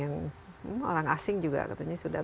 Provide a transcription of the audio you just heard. yang orang asing juga katanya sudah